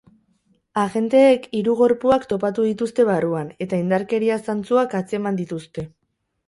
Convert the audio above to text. Agenteek hiru gorpuak topatu dituzte barruan, eta indarkeria zantzuak atzeman dituzte.